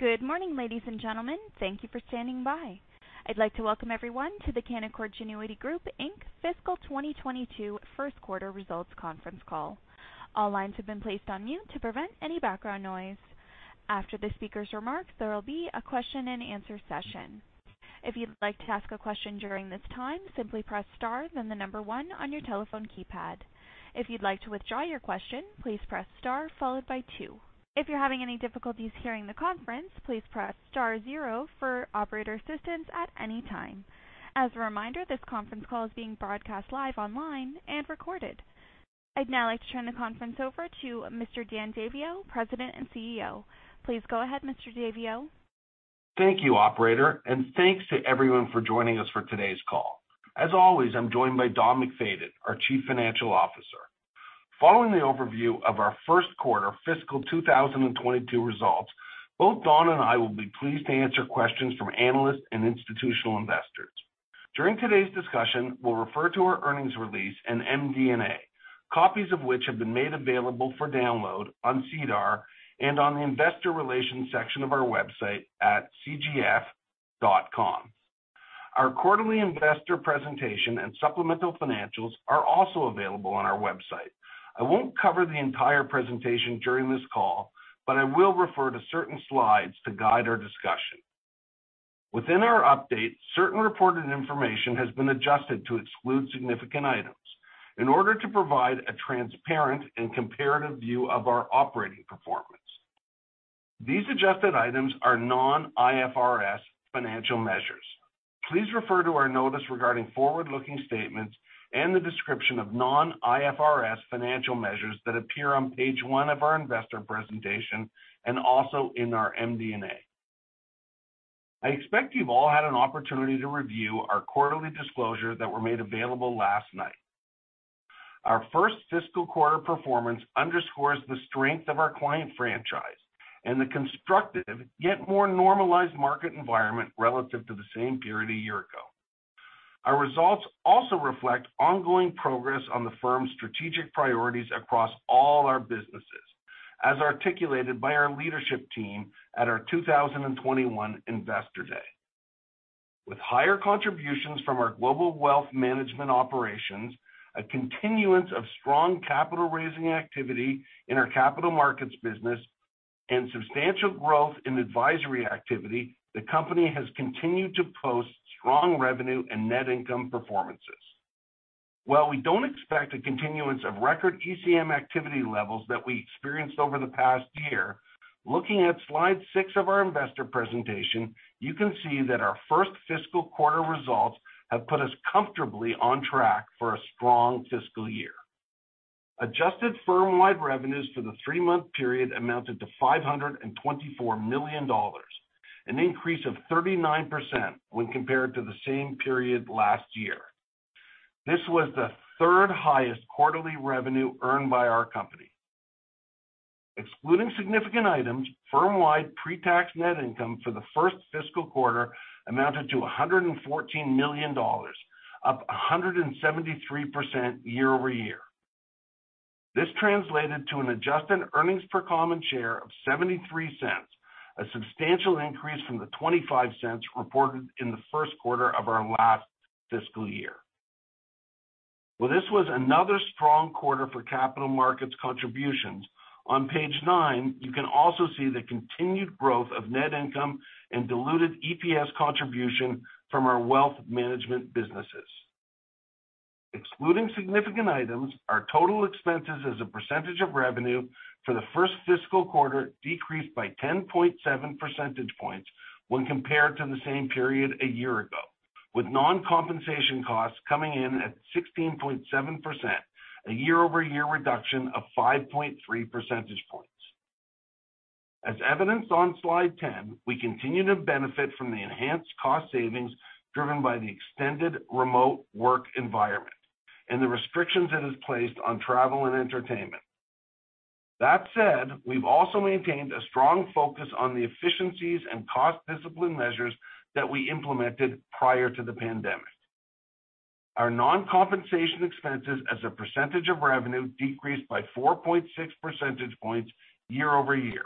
Good morning, ladies and gentlemen. Thank you for standing by. I'd like to welcome everyone to the Canaccord Genuity Group Inc.'s fiscal 2022 first quarter results conference call. I'd now like to turn the conference over to Mr. Dan Daviau, President and CEO. Please go ahead, Mr. Daviau. Thank you, operator, and thanks to everyone for joining us for today's call. As always, I'm joined by Don MacFayden, our Chief Financial Officer. Following the overview of our first quarter fiscal 2022 results, both Don and I will be pleased to answer questions from analysts and institutional investors. During today's discussion, we'll refer to our earnings release and MD&A, copies of which have been made available for download on SEDAR and on the investor relations section of our website at cgf.com. Our quarterly investor presentation and supplemental financials are also available on our website. I won't cover the entire presentation during this call, but I will refer to certain slides to guide our discussion. Within our update, certain reported information has been adjusted to exclude significant items in order to provide a transparent and comparative view of our operating performance. These adjusted items are non-IFRS financial measures. Please refer to our notice regarding forward-looking statements and the description of non-IFRS financial measures that appear on page one of our investor presentation and also in our MD&A. I expect you've all had an opportunity to review our quarterly disclosure that were made available last night. Our first fiscal quarter performance underscores the strength of our client franchise and the constructive yet more normalized market environment relative to the same period a year ago. Our results also reflect ongoing progress on the firm's strategic priorities across all our businesses, as articulated by our leadership team at our 2021 Investor Day. With higher contributions from our global Wealth Management operations, a continuance of strong capital raising activity in our Capital Markets business, and substantial growth in advisory activity, the company has continued to post strong revenue and net income performances. While we don't expect a continuance of record ECM activity levels that we experienced over the past year, looking at slide six of our investor presentation, you can see that our first fiscal quarter results have put us comfortably on track for a strong fiscal year. Adjusted firm-wide revenues for the three-month period amounted to $524 million, an increase of 39% when compared to the same period last year. This was the third highest quarterly revenue earned by our company. Excluding significant items, firm-wide pre-tax net income for the first fiscal quarter amounted to $114 million, up 173% year-over-year. This translated to an adjusted earnings per common share of $0.73, a substantial increase from the $0.25 reported in the first quarter of our last fiscal year. Well, this was another strong quarter for Capital Markets contributions. On page nine, you can also see the continued growth of net income and diluted EPS contribution from our Wealth Management businesses. Excluding significant items, our total expenses as a percentage of revenue for the first fiscal quarter decreased by 10.7 percentage points when compared to the same period a year ago, with non-compensation costs coming in at 16.7%, a year-over-year reduction of 5.3 percentage points. As evidenced on slide 10, we continue to benefit from the enhanced cost savings driven by the extended remote work environment and the restrictions it has placed on travel and entertainment. That said, we've also maintained a strong focus on the efficiencies and cost discipline measures that we implemented prior to the pandemic. Our non-compensation expenses as a percentage of revenue decreased by 4.6 percentage points year-over-year.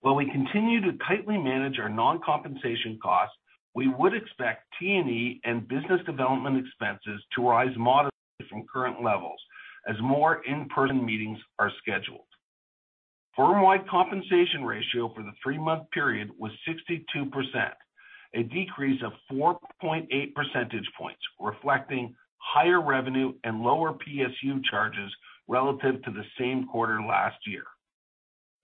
While we continue to tightly manage our non-compensation costs, we would expect T&E and business development expenses to rise moderately from current levels as more in-person meetings are scheduled. Firm-wide compensation ratio for the three-month period was 62%, a decrease of 4.8 percentage points, reflecting higher revenue and lower PSU charges relative to the same quarter last year.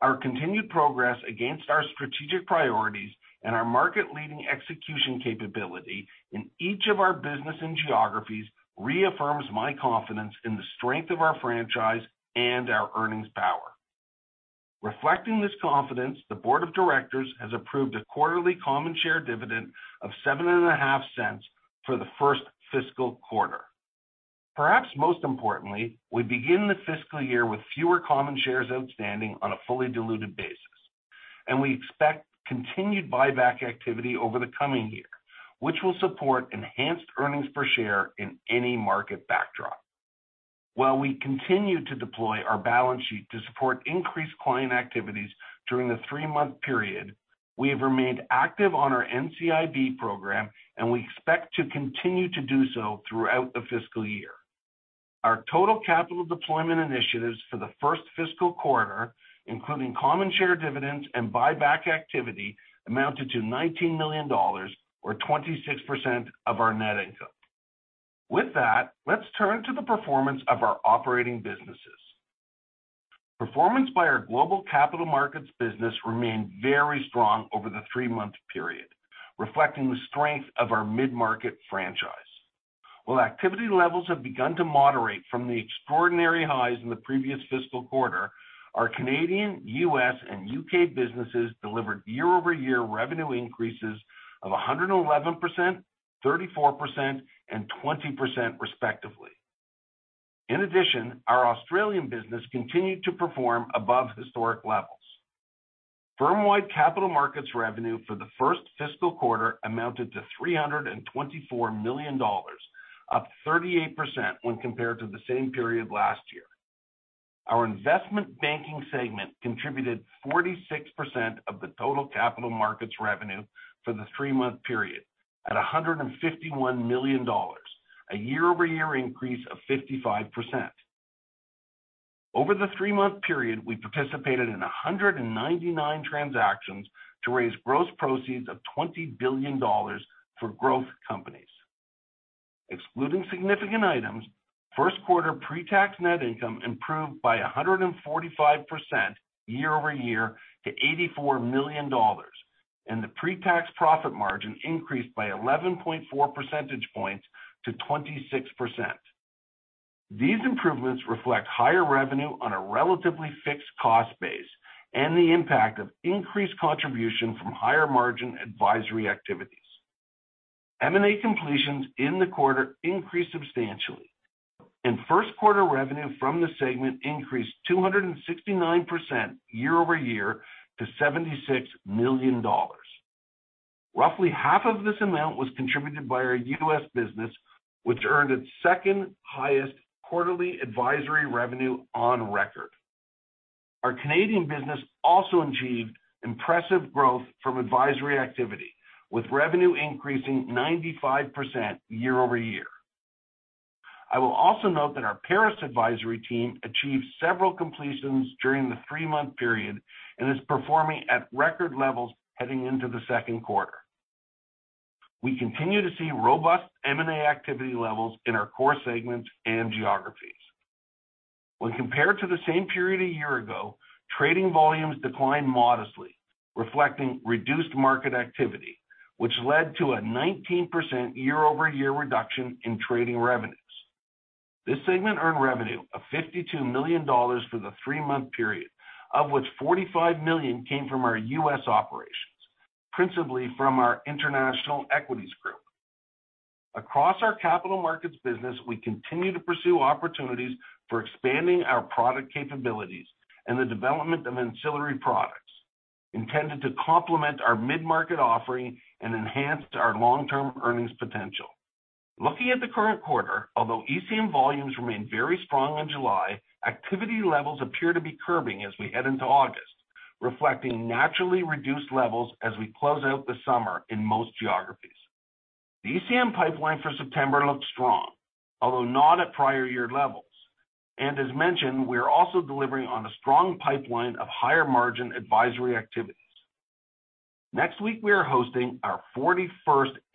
Our continued progress against our strategic priorities and our market-leading execution capability in each of our business and geographies reaffirms my confidence in the strength of our franchise and our earnings power. Reflecting this confidence, the Board of Directors has approved a quarterly common share dividend of $0.075 for the first fiscal quarter. Perhaps most importantly, we begin the fiscal year with fewer common shares outstanding on a fully diluted basis, and we expect continued buyback activity over the coming year, which will support enhanced earnings per share in any market backdrop. While we continue to deploy our balance sheet to support increased client activities during the three-month period, we have remained active on our NCIB program, and we expect to continue to do so throughout the fiscal year. Our total capital deployment initiatives for the first fiscal quarter, including common share dividends and buyback activity, amounted to $19 million, or 26% of our net income. With that, let's turn to the performance of our operating businesses. Performance by our global Capital Markets business remained very strong over the three-month period, reflecting the strength of our mid-market franchise. While activity levels have begun to moderate from the extraordinary highs in the previous fiscal quarter, our Canadian, U.S., and U.K. businesses delivered year-over-year revenue increases of 111%, 34%, and 20% respectively. In addition, our Australian business continued to perform above historic levels. Firm-wide Capital Markets revenue for the first fiscal quarter amounted to $324 million, up 38% when compared to the same period last year. Our investment banking segment contributed 46% of the total Capital Markets revenue for the three-month period at $151 million, a year-over-year increase of 55%. Over the three-month period, we participated in 199 transactions to raise gross proceeds of $20 billion for growth companies. Excluding significant items, first quarter pre-tax net income improved by 145% year-over-year to $84 million, and the pre-tax profit margin increased by 11.4 percentage points to 26%. These improvements reflect higher revenue on a relatively fixed cost base and the impact of increased contribution from higher margin advisory activities. M&A completions in the quarter increased substantially, and first quarter revenue from the segment increased 269% year-over-year to $76 million. Roughly half of this amount was contributed by our U.S. business, which earned its second-highest quarterly advisory revenue on record. Our Canadian business also achieved impressive growth from advisory activity, with revenue increasing 95% year-over-year. I will also note that our Paris advisory team achieved several completions during the three-month period and is performing at record levels heading into the second quarter. We continue to see robust M&A activity levels in our core segments and geographies. When compared to the same period a year ago, trading volumes declined modestly, reflecting reduced market activity, which led to a 19% year-over-year reduction in trading revenues. This segment earned revenue of $52 million for the three-month period, of which $45 million came from our U.S. operations, principally from our international equities group. Across our Capital Markets business, we continue to pursue opportunities for expanding our product capabilities and the development of ancillary products intended to complement our mid-market offering and enhance our long-term earnings potential. Looking at the current quarter, although ECM volumes remain very strong in July, activity levels appear to be curbing as we head into August, reflecting naturally reduced levels as we close out the summer in most geographies. The ECM pipeline for September looks strong, although not at prior year levels. As mentioned, we are also delivering on a strong pipeline of higher margin advisory activities. Next week, we are hosting our 41st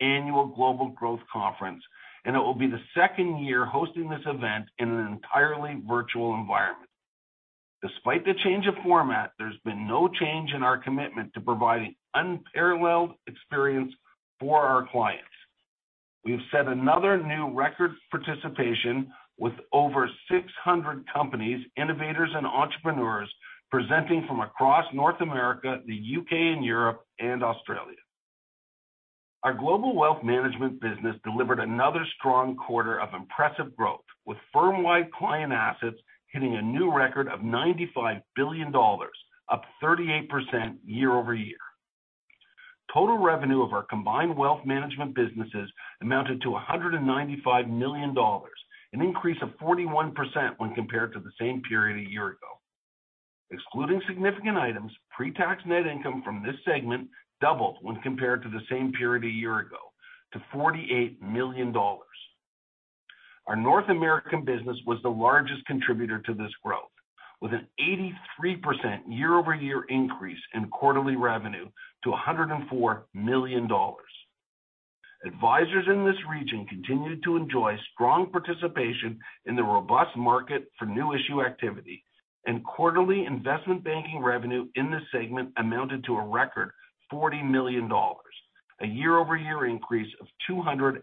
Annual Canaccord Genuity Annual Global Growth Conference. It will be the second year hosting this event in an entirely virtual environment. Despite the change of format, there's been no change in our commitment to providing unparalleled experience for our clients. We have set another new record participation with over 600 companies, innovators, and entrepreneurs presenting from across North America, the U.K. and Europe, and Australia. Our global Wealth Management business delivered another strong quarter of impressive growth, with firm-wide client assets hitting a new record of $95 billion, up 38% year-over-year. Total revenue of our combined Wealth Management businesses amounted to $195 million, an increase of 41% when compared to the same period a year ago. Excluding significant items, pre-tax net income from this segment doubled when compared to the same period a year ago to $48 million. Our North American business was the largest contributor to this growth, with an 83% year-over-year increase in quarterly revenue to $104 million. Advisors in this region continued to enjoy strong participation in the robust market for new issue activity, and quarterly investment banking revenue in this segment amounted to a record $40 million, a year-over-year increase of 211%.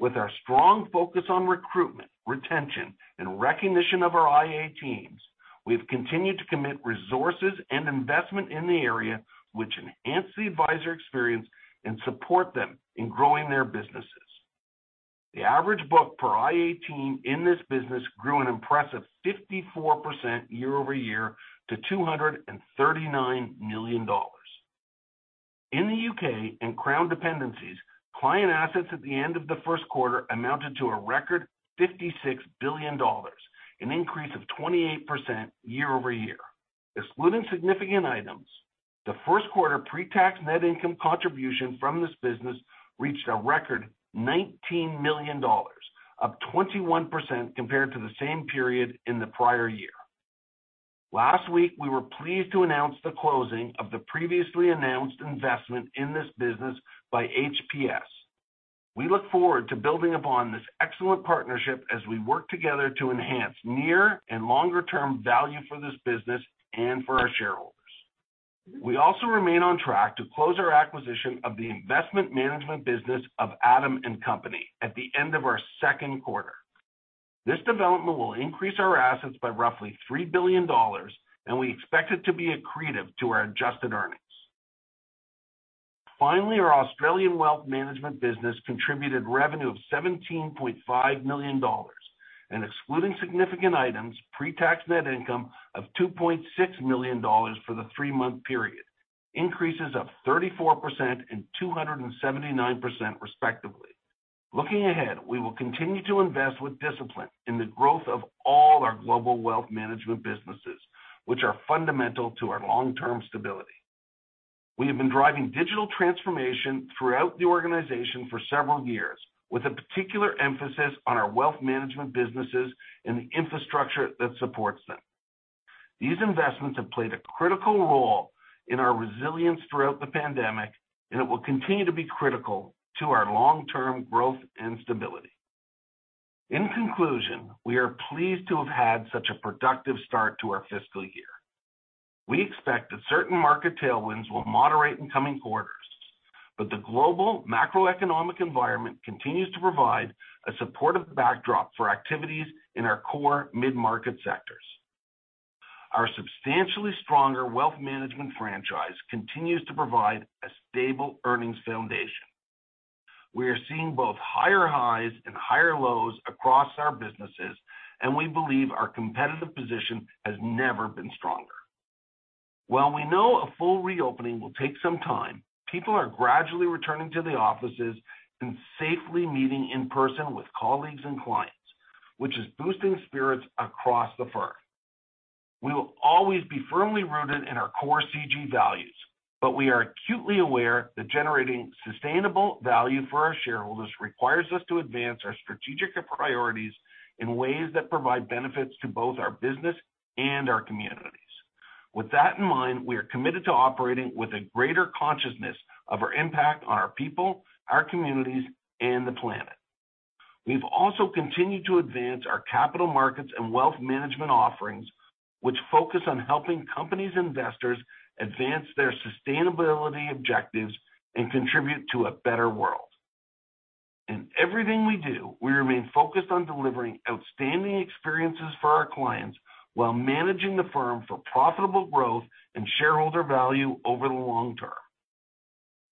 With our strong focus on recruitment, retention, and recognition of our IA teams, we have continued to commit resources and investment in the area which enhance the advisor experience and support them in growing their businesses. The average book per IA team in this business grew an impressive 54% year-over-year to $239 million. In the U.K. and Crown Dependencies, client assets at the end of the first quarter amounted to a record $56 billion, an increase of 28% year-over-year. Excluding significant items, the first quarter pre-tax net income contribution from this business reached a record $19 million, up 21% compared to the same period in the prior year. Last week, we were pleased to announce the closing of the previously announced investment in this business by HPS. We look forward to building upon this excellent partnership as we work together to enhance near and longer-term value for this business and for our shareholders. We also remain on track to close our acquisition of the investment management business of Adam & Company at the end of our second quarter. This development will increase our assets by roughly $3 billion, and we expect it to be accretive to our adjusted earnings. Our Australian Wealth Management business contributed revenue of $17.5 million and excluding significant items pre-tax net income of $2.6 million for the three-month period, increases of 34% and 279% respectively. Looking ahead, we will continue to invest with discipline in the growth of all our global Wealth Management businesses, which are fundamental to our long-term stability. We have been driving digital transformation throughout the organization for several years, with a particular emphasis on our Wealth Management businesses and the infrastructure that supports them. These investments have played a critical role in our resilience throughout the pandemic, and it will continue to be critical to our long-term growth and stability. In conclusion, we are pleased to have had such a productive start to our fiscal year. We expect that certain market tailwinds will moderate in coming quarters, but the global macroeconomic environment continues to provide a supportive backdrop for activities in our core mid-market sectors. Our substantially stronger Wealth Management franchise continues to provide a stable earnings foundation. We are seeing both higher highs and higher lows across our businesses, and we believe our competitive position has never been stronger. While we know a full reopening will take some time, people are gradually returning to the offices and safely meeting in person with colleagues and clients, which is boosting spirits across the firm. We will always be firmly rooted in our core CG values, but we are acutely aware that generating sustainable value for our shareholders requires us to advance our strategic priorities in ways that provide benefits to both our business and our communities. With that in mind, we are committed to operating with a greater consciousness of our impact on our people, our communities, and the planet. We've also continued to advance our Capital Markets and Wealth Management offerings, which focus on helping companies investors advance their sustainability objectives and contribute to a better world. In everything we do, we remain focused on delivering outstanding experiences for our clients while managing the firm for profitable growth and shareholder value over the long term.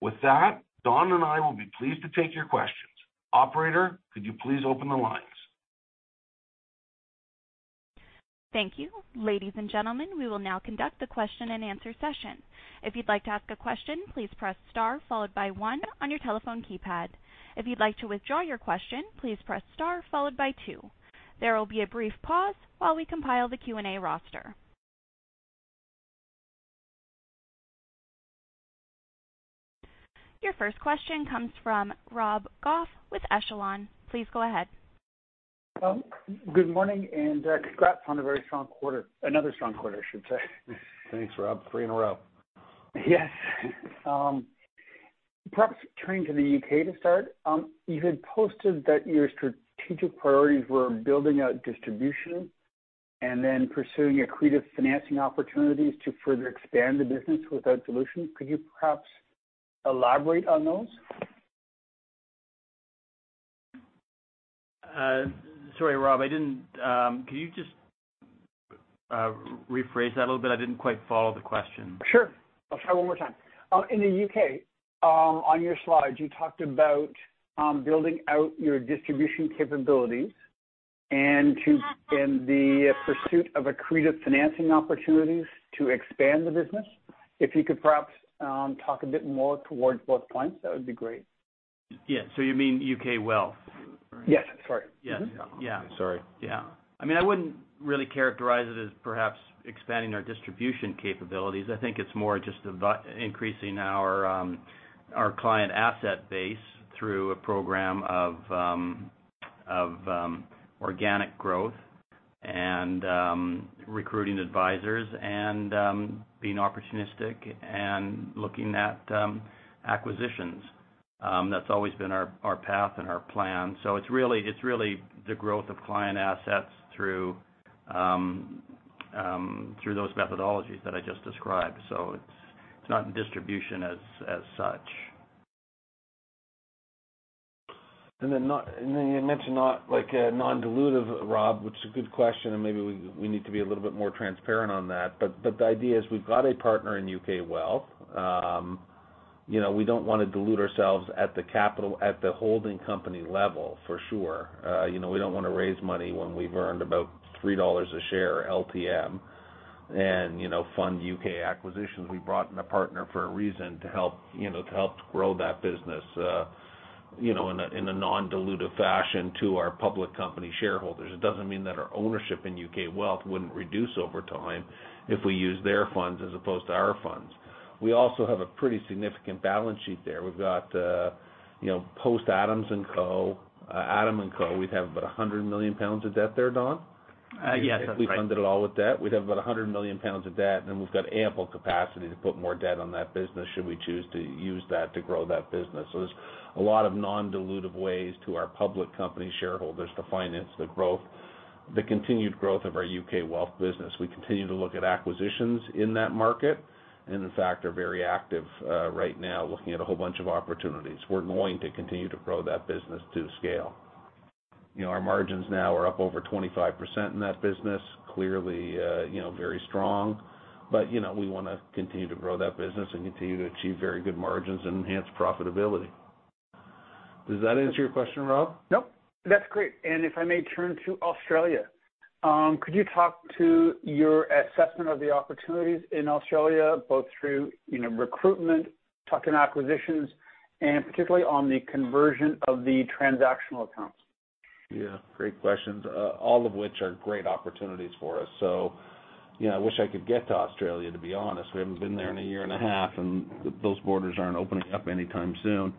With that, Don and I will be pleased to take your questions. Operator, could you please open the lines? Thank you. Ladies and gentlemen, we will now conduct a question-and-answer session. If you'd like to ask a question, please press star followed by one on your telephone keypad. If you'd like to withdraw your question, please press star followed by two. There will be a brief pause while we compile the Q&A roster. Your first question comes from Rob Goff with Echelon. Please go ahead. Good morning, and congrats on a very strong quarter. Another strong quarter, I should say. Thanks, Rob. Three in a row. Yes. Perhaps turning to the U.K. to start, you had posted that your strategic priorities were building out distribution and then pursuing accretive financing opportunities to further expand the business without dilution. Could you perhaps elaborate on those? Sorry, Rob, I didn't. Could you just rephrase that a little bit? I didn't quite follow the question. Sure. I'll try one more time. In the U.K., on your slide, you talked about building out your distribution capabilities and the pursuit of accretive financing opportunities to expand the business. If you could perhaps talk a bit more towards both points, that would be great. Yeah. You mean U.K. Wealth? Yes. Sorry. Yeah. Sorry. I mean, I wouldn't really characterize it as perhaps expanding our distribution capabilities. I think it's more just about increasing our client asset base through a program of organic growth and recruiting advisors and being opportunistic and looking at acquisitions and that's always been our path and our plan. It's really the growth of client assets through those methodologies that I just described so it's not distribution as such. You mentioned not a non-dilutive, Rob, which is a good question, and maybe we need to be a little bit more transparent on that. The idea is we've got a partner in UK Wealth. You know, we don't want to dilute ourselves at the capital, at the holding company level, for sure. You know, we don't want to raise money when we've earned about $3 a share LTM and, you know, fund U.K. acquisitions. We brought in a partner for a reason to help to grow that business. You know, in a non-dilutive fashion to our public company shareholders. It doesn't mean that our ownership in UK Wealth wouldn't reduce over time if we use their funds as opposed to our funds. We also have a pretty significant balance sheet there. We've got, you know, post Adam & Company, we'd have about 100 million pounds of debt there, Don? Yes, that's right. If we funded it all with debt, we'd have about 100 million pounds of debt, and then we've got ample capacity to put more debt on that business should we choose to use that to grow that business. There's a lot of non-dilutive ways to our public company shareholders to finance the growth, the continued growth of our U.K. Wealth business. We continue to look at acquisitions in that market, and in fact, are very active right now looking at a whole bunch of opportunities. We're going to continue to grow that business to scale. You know, our margins now are up over 25% in that business, clearly, you know, very strong. You know, we wanna continue to grow that business and continue to achieve very good margins and enhance profitability. Does that answer your question, Rob? Nope. That's great. If I may turn to Australia, could you talk to your assessment of the opportunities in Australia, both through, you know, recruitment, tuck-in acquisitions, and particularly on the conversion of the transactional accounts? Great questions. All of which are great opportunities for us. You know, I wish I could get to Australia, to be honest. We haven't been there in a year and a half. Those borders aren't opening up anytime soon.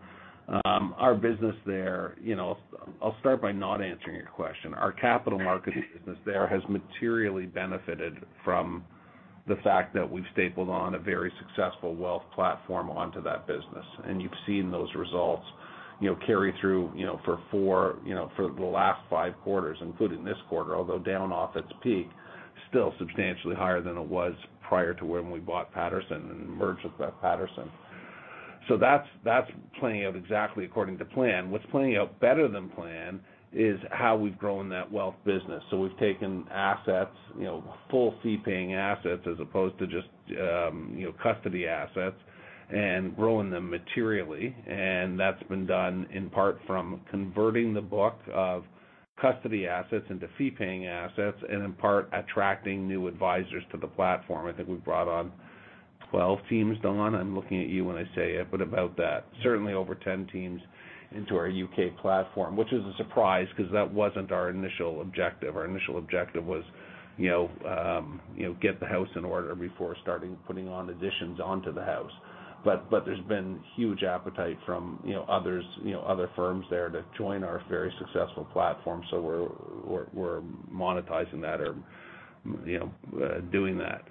Our business there, you know, I'll start by not answering your question. Our Capital Markets business there has materially benefited from the fact that we've stapled on a very successful wealth platform onto that business. You've seen those results, you know, carry through, you know, for four, you know, for the last five quarters, including this quarter, although down off its peak, still substantially higher than it was prior to when we bought Patersons and merged with Patersons, so that's playing out exactly according to plan. What's playing out better than planned is how we've grown that wealth business. We've taken assets, you know, full fee-paying assets as opposed to just, you know, custody assets and growing them materially. That's been done in part from converting the book of custody assets into fee-paying assets and in part attracting new advisors to the platform. I think we've brought on 12 teams, Don. I'm looking at you when I say it, but about that. Certainly over 10 teams into our U.K. platform, which is a surprise because that wasn't our initial objective. Our initial objective was, you know, you know, get the house in order before starting putting on additions onto the house. There's been huge appetite from, you know, others, you know, other firms there to join our very successful platform. We're monetizing that or, you know, doing that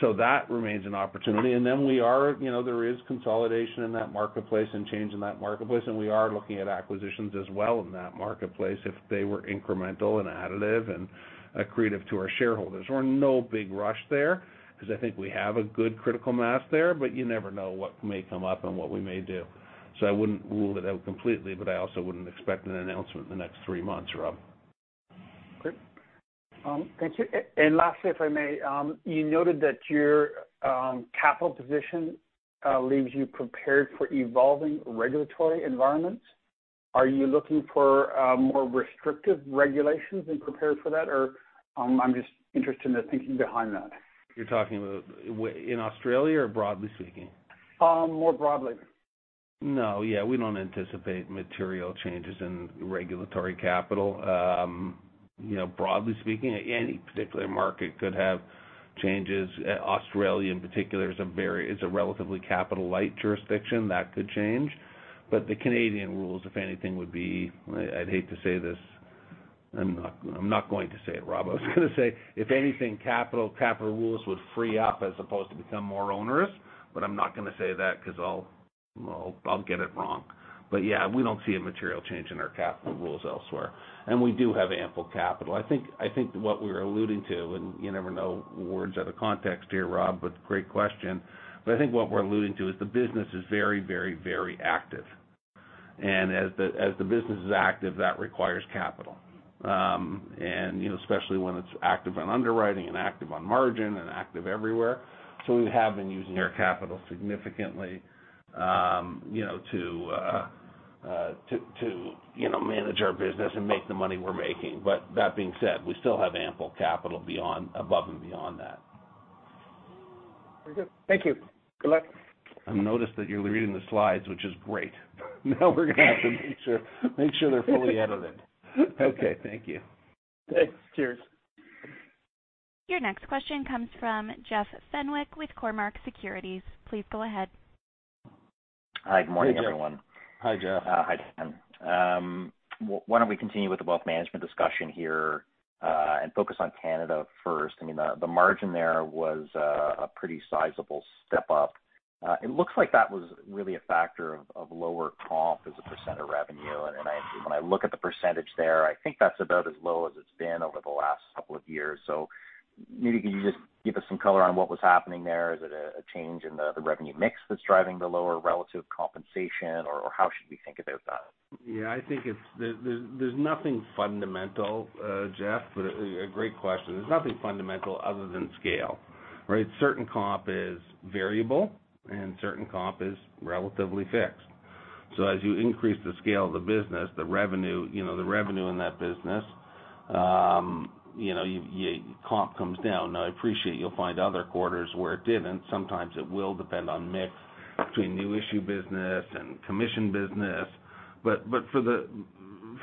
so that remains an opportunity. Then we are, you know, there is consolidation in that marketplace and change in that marketplace, and we are looking at acquisitions as well in that marketplace if they were incremental and additive and accretive to our shareholders. We're in no big rush there because I think we have a good critical mass there, but you never know what may come up and what we may do. I wouldn't rule it out completely, but I also wouldn't expect an announcement in the next three months, Rob. Great. Thank you. Lastly, if I may, you noted that your capital position leaves you prepared for evolving regulatory environments. Are you looking for more restrictive regulations and prepared for that? I'm just interested in the thinking behind that. You're talking about in Australia or broadly speaking? More broadly. No. Yeah, we don't anticipate material changes in regulatory capital. You know, broadly speaking, any particular market could have changes. Australia, in particular, is a relatively capital-light jurisdiction so that could change. The Canadian rules, if anything, would be, I'd hate to say this. I'm not going to say it, Rob. I was gonna say, if anything, capital rules would free up as opposed to become more onerous, but I'm not gonna say that 'cause I'll get it wrong. Yeah, we don't see a material change in our capital rules elsewhere. We do have ample capital. I think what we're alluding to, and you never know words out of context here, Rob, but great question. I think what we're alluding to is the business is very, very, very active. As the business is active, that requires capital. You know, especially when it's active on underwriting and active on margin and active everywhere. We have been using our capital significantly, you know, to manage our business and make the money we're making. That being said, we still have ample capital above and beyond that. Very good. Thank you. Good luck. I've noticed that you're reading the slides, which is great. We're going to have to make sure they're fully edited. Okay. Thank you. Thanks. Cheers. Your next question comes from Jeff Fenwick with Cormark Securities. Please go ahead. Hi. Good morning, everyone. Hi, Jeff. Hi, Dan. Why don't we continue with the Wealth Management discussion here and focus on Canada first. I mean, the margin there was a pretty sizable step up. It looks like that was really a factor of lower comp as a percent of revenue. When I look at the percentage there, I think that's about as low as it's been over the last couple of years. Maybe can you just give us some color on what was happening there? Is it a change in the revenue mix that's driving the lower relative compensation, or how should we think about that? Yeah. I think there's nothing fundamental, Jeff, but I think it's a great question. There's nothing fundamental other than scale, right? Certain comp is variable, certain comp is relatively fixed. As you increase the scale of the business, the revenue, you know, the revenue in that business, you know, comp comes down and I appreciate you'll find other quarters where it didn't. Sometimes it will depend on mix between new issue business and commission business.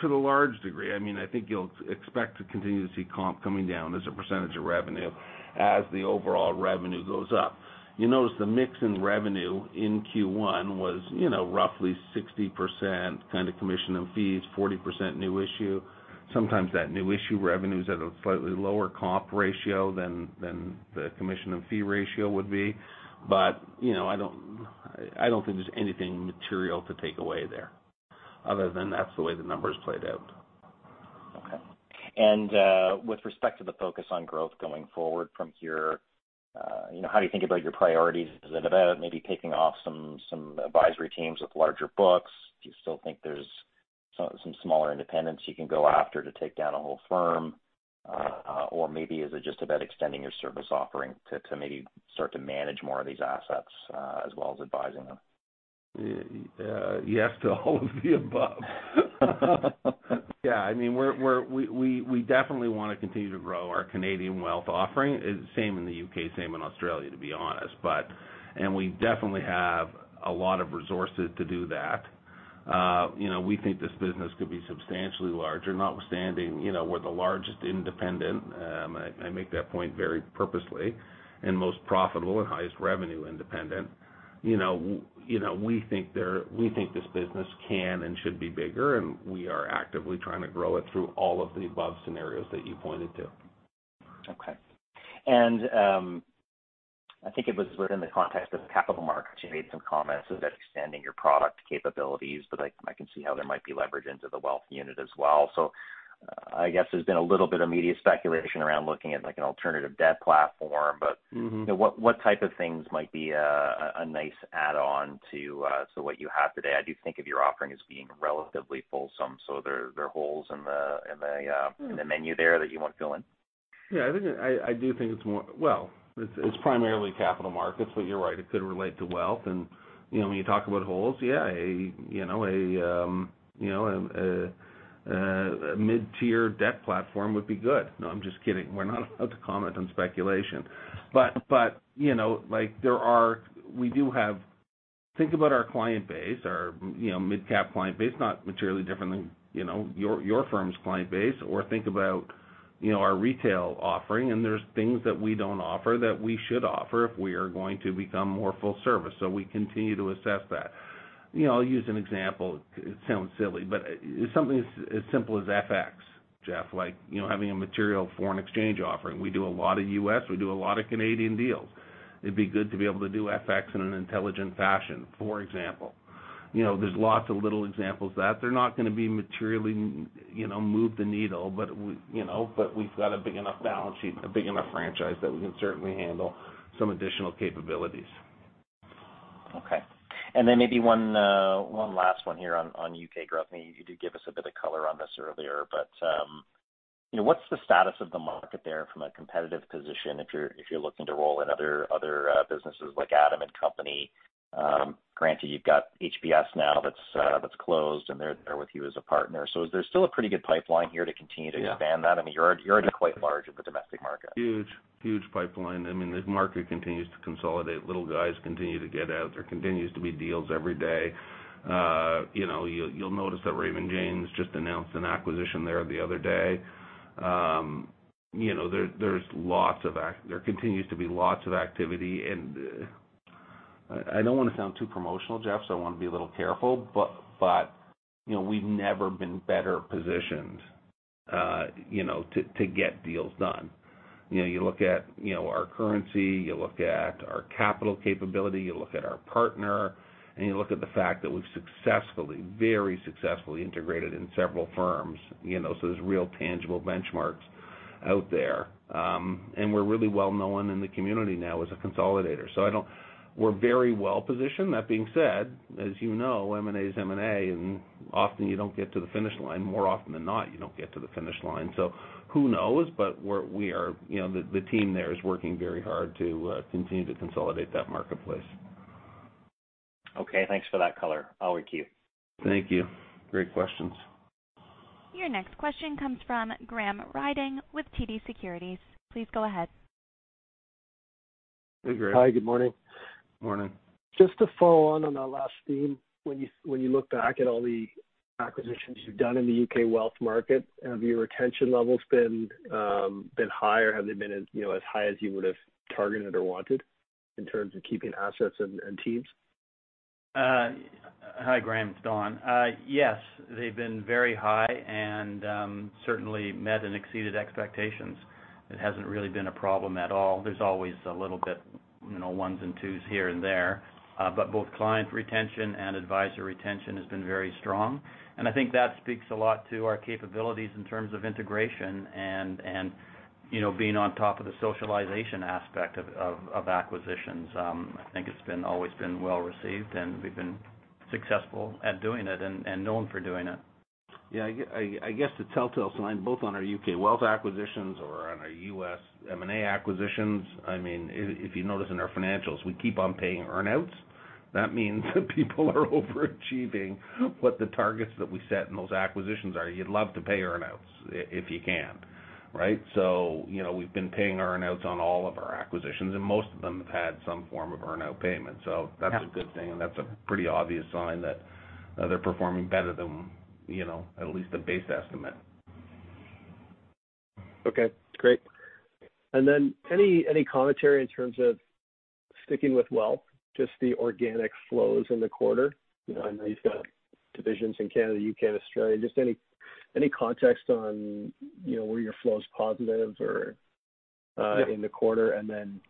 For the large degree, I mean, I think you'll expect to continue to see comp coming down as a percentage of revenue as the overall revenue goes up. You notice the mix in revenue in Q1 was, you know, roughly 60% kind of commission and fees, 40% new issue. Sometimes that new issue revenue is at a slightly lower comp ratio than the commission and fee ratio would be. you know, I don't think there's anything material to take away there other than that's the way the numbers played out. Okay. With respect to the focus on growth going forward from here, you know, how do you think about your priorities? Is it about maybe taking off some advisory teams with larger books? Do you still think there's some smaller independents you can go after to take down a whole firm? Maybe is it just about extending your service offering to maybe start to manage more of these assets, as well as advising them? Yes, to all of the above. Yeah. I mean, we definitely wanna continue to grow our Canadian wealth offering. Same in the U.K., same in Australia, to be honest. We definitely have a lot of resources to do that. You know, we think this business could be substantially larger, notwithstanding, you know, we're the largest independent, and I make that point very purposely, and most profitable and highest revenue independent. You know, we think this business can and should be bigger, and we are actively trying to grow it through all of the above scenarios that you pointed to. Okay. I think it was within the context of Capital Markets, you made some comments about expanding your product capabilities, but I can see how there might be leverage into the wealth unit as well. I guess there's been a little bit of media speculation around looking at, like, an alternative debt platform. What type of things might be a nice add-on to what you have today? I do think of your offering as being relatively fulsome. There are holes in the menu there that you want to fill in? Yeah, I do think it's primarily Capital Markets, but you're right, it could relate to wealth. You know, when you talk about holes, yeah, a, you know, a, you know, a mid-tier debt platform would be good. No, I'm just kidding. We're not allowed to comment on speculation. You know, like, we do have. Think about our client base, our, you know, midcap client base, not materially different than, you know, your firm's client base or think about, you know, our retail offering, and there's things that we don't offer that we should offer if we are going to become more full service. We continue to asess that. You know, I'll use an example. It sounds silly, but something as simple as FX, Jeff, like, you know, having a material foreign exchange offering. We do a lot of U.S., we do a lot of Canadian deals. It'd be good to be able to do FX in an intelligent fashion, for example. You know, there's lots of little examples that they're not gonna be materially, you know, move the needle, but we, you know, but we've got a big enough balance sheet, a big enough franchise that we can certainly handle some additional capabilities. Okay. Maybe one last one here on U.K. growth. You did give us a bit of color on this earlier, but, you know, what's the status of the market there from a competitive position if you're looking to roll in other businesses like Adam & Company? Granted you've got HPS now that's closed and they're there with you as a partner. Is there still a pretty good pipeline here to continue to expand that? Yeah. I mean, you're already quite large in the domestic market. Huge pipeline. I mean, this market continues to consolidate. Little guys continue to get out. There continues to be deals every day. You know, you'll notice that Raymond James just announced an acquisition there the other day. You know, there continues to be lots of activity. I don't wanna sound too promotional, Jeff, I wanna be a little careful, but, you know, we've never been better positioned, you know, to get deals done. You know, you look at, you know, our currency, you look at our capital capability, you look at our partner, and you look at the fact that we've very successfully integrated in several firms, you know, there's real tangible benchmarks out there. We're really well-known in the community now as a consolidator. We're very well-positioned. That being said, as you know, M&A is M&A, often you don't get to the finish line. More often than not, you don't get to the finish line. Who knows? We are, you know, the team there is working very hard to continue to consolidate that marketplace. Okay, thanks for that color. Over to you. Thank you. Great questions. Your next question comes from Graham Ryding with TD Securities. Please go ahead. Hey, Graham. Hi, good morning. Morning. Just to follow on that last theme, when you look back at all the acquisitions you've done in the U.K. wealth market, have your retention levels been high, or have they been as, you know, as high as you would've targeted or wanted in terms of keeping assets and teams? Hi, Graham, it's Don. Yes, they've been very high and certainly met and exceeded expectations. It hasn't really been a problem at all. There's always a little bit, you know, ones and twos here and there. Both client retention and advisor retention has been very strong, and I think that speaks a lot to our capabilities in terms of integration and, you know, being on top of the socialization aspect of acquisitions. I think it's been always been well received, and we've been successful at doing it and known for doing it. Yeah, I guess the telltale sign both on our U.K. wealth acquisitions or on our U.S. M&A acquisitions, I mean, if you notice in our financials, we keep on paying earn-outs. That means that people are overachieving what the targets that we set in those acquisitions are. You'd love to pay earn-outs if you can, right? You know, we've been paying earn-outs on all of our acquisitions, and most of them have had some form of earn-out payment. Yeah. That's a good thing, and that's a pretty obvious sign that they're performing better than, you know, at least a base estimate. Okay, great. Then any commentary in terms of sticking with wealth, just the organic flows in the quarter? Yeah. I know you've got divisions in Canada, U.K., and Australia. Just any context on, you know, were your flows positive- Yeah. In the quarter?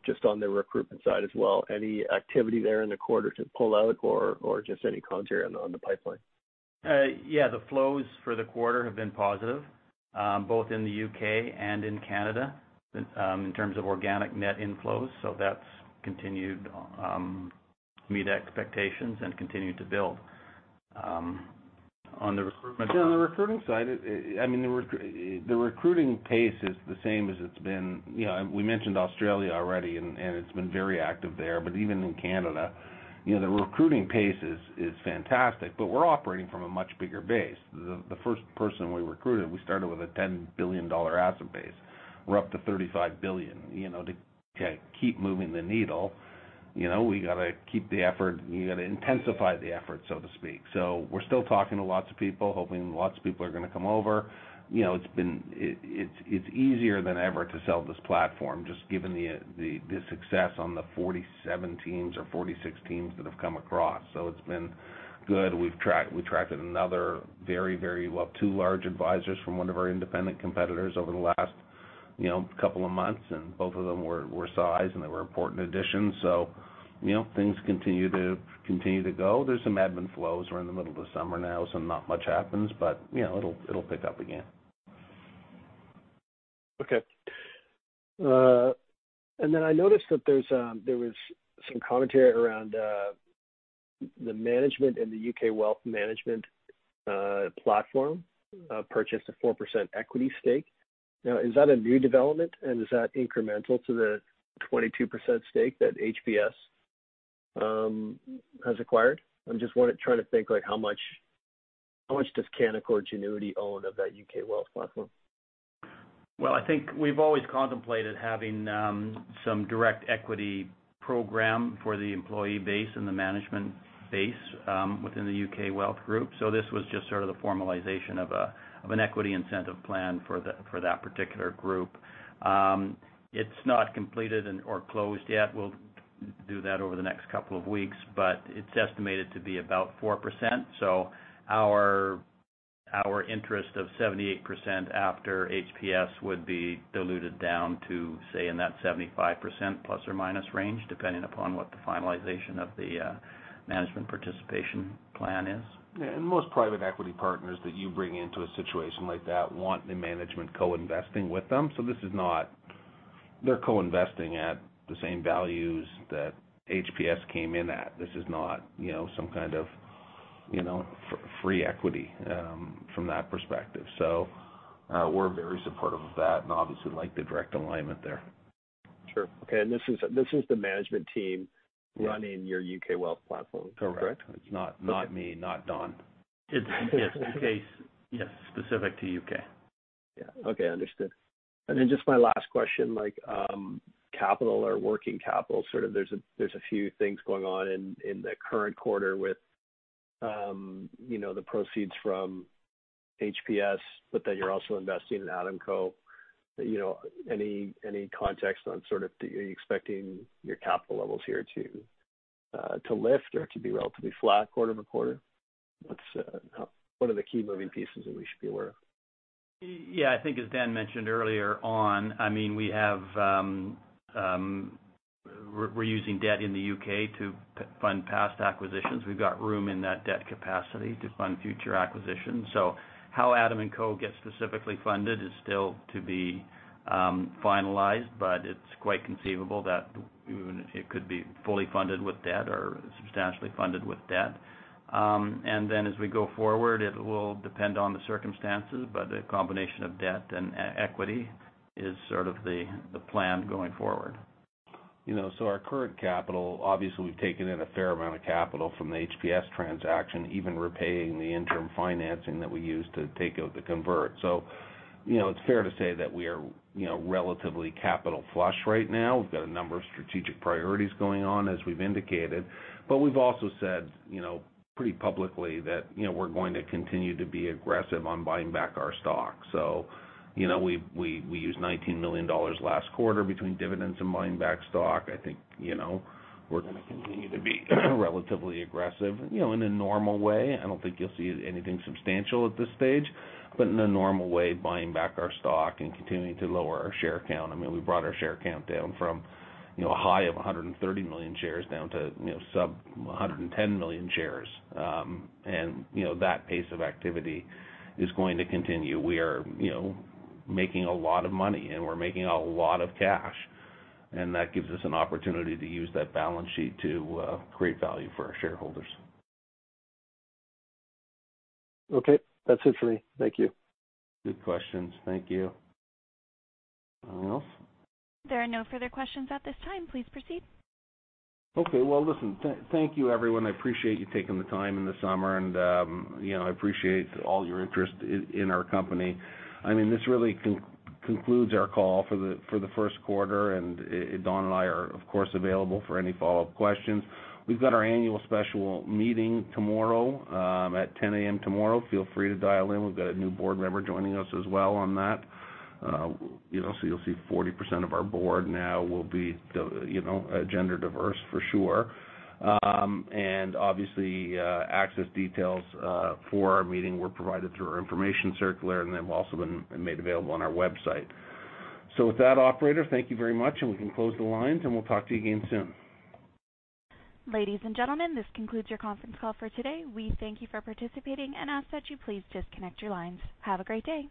Just on the recruitment side as well, any activity there in the quarter to pull out or just any commentary on the pipeline? Yeah, the flows for the quarter have been positive, both in the U.K. and in Canada, in terms of organic net inflows. That's continued, meet expectations and continue to build on the recruitment side. Yeah, on the recruiting side, it, I mean, the recruiting pace is the same as it's been, you know. We mentioned Australia already, and it's been very active there. Even in Canada, you know, the recruiting pace is fantastic, but we're operating from a much bigger base. The first person we recruited, we started with a $10 billion asset base. We're up to $35 billion. You know, to keep moving the needle, you know, we gotta keep the effort. You gotta intensify the effort, so to speak. We're still talking to lots of people, hoping lots of people are gonna come over. You know, it's easier than ever to sell this platform, just given the success on the 47 teams or 46 teams that have come across so it's been good. We've tracked another very well, two large advisors from one of our independent competitors over the last, you know, couple of months. Both of them were size, and they were important additions. You know, things continue to go. There's some admin flows. We're in the middle of the summer now, so not much happens, but, you know, it'll pick up again. Okay. I noticed that there's, there was some commentary around the management and the U.K. Wealth Management platform, purchased a 4% equity stake. Is that a new development, and is that incremental to the 22% stake that HPS has acquired? I'm just trying to think, like, how much does Canaccord Genuity own of that U.K. Wealth platform? I think we've always contemplated having some direct equity program for the employee base and the management base within the U.K. Wealth Group. This was just sort of the formalization of an equity incentive plan for that particular group. It's not completed or closed yet. We'll do that over the next couple of weeks, but it's estimated to be about 4%. Our interest of 78% after HPS would be diluted down to, say, in that 75% ± range, depending upon what the finalization of the management participation plan is. Most private equity partners that you bring into a situation like that want the management co-investing with them. This is not They're co-investing at the same values that HPS came in at. This is not some kind of free equity from that perspective so we're very supportive of that and obviously like the direct alignment there. Sure. Okay, this is the management team- Yeah. ...running your U.K. Wealth platform. Correct. Correct? Okay. It's not me, not Don. It's, yes, U.K.-specific. Yes, specific to U.K. Yeah. Okay, understood. Just my last question, like, capital or working capital, sort of there's a, there's a few things going on in the current quarter with, you know, the proceeds from HPS, but then you're also investing in Adam & Co. You know, any context on sort of are you expecting your capital levels here to lift or to be relatively flat quarter-over-quarter? What's, what are the key moving pieces that we should be aware of? Yeah. I think as Dan mentioned earlier on, I mean, we have, we're using debt in the U.K. to fund past acquisitions. We've got room in that debt capacity to fund future acquisitions. How Adam & Co gets specifically funded is still to be finalized, but it's quite conceivable that even it could be fully funded with debt or substantially funded with debt. As we go forward, it will depend on the circumstances, but a combination of debt and equity is sort of the plan going forward. Our current capital, obviously, we've taken in a fair amount of capital from the HPS transaction, even repaying the interim financing that we used to take out the convert. It's fair to say that we are, you know, relatively capital flush right now. We've got a number of strategic priorities going on, as we've indicated. We've also said, you know, pretty publicly that, you know, we're gonna continue to be aggressive on buying back our stock. We used $19 million last quarter between dividends and buying back stock. I think, you know, we're gonna continue to be relatively aggressive, you know, in a normal way. I don't think you'll see anything substantial at this stage. In a normal way, buying back our stock and continuing to lower our share count. I mean, we brought our share count down from, you know, a high of 130 million shares down to, you know, sub 110 million shares. You know, that pace of activity is going to continue. We are, you know, making a lot of money, and we're making a lot of cash, and that gives us an opportunity to use that balance sheet to create value for our shareholders. Okay. That's it for me. Thank you. Good questions. Thank you. Anyone else? There are no further questions at this time. Please proceed. Okay. Well, listen, thank you, everyone. I appreciate you taking the time in the summer, and, you know, I appreciate all your interest in our company. I mean, this really concludes our call for the first quarter, and Don and I are, of course, available for any follow-up questions. We've got our annual special meeting tomorrow at 10:00 A.M. tomorrow. Feel free to dial in. We've got a new Board member joining us as well on that. You know, you'll see 40% of our Board now will be the, you know, gender diverse for sure. Obviously, access details for our meeting were provided through our information circular, and they've also been made available on our website. With that, operator, thank you very much, and we can close the lines, and we'll talk to you again soon. Ladies and gentlemen, this concludes your conference call for today. We thank you for participating and ask that you please disconnect your lines. Have a great day.